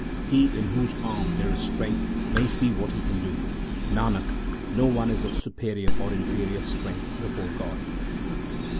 He in whose arm there is strength, may see what he can do. Nanak, no one is of superior or inferior strength before God.